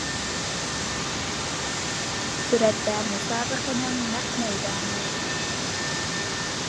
سۈرەتتە مۇسابىقىنىڭ نەق مەيدانى.